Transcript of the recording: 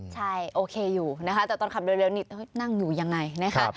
ใช่โอเคอยู่นะคะแต่ตอนขับเร็วนี่นั่งอยู่ยังไงนะคะ